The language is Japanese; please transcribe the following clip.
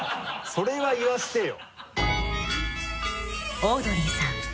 それは言わせてよ。